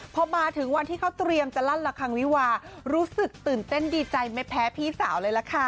พอมาถึงวันที่เขาเตรียมจะลั่นละครังวิวารู้สึกตื่นเต้นดีใจไม่แพ้พี่สาวเลยล่ะค่ะ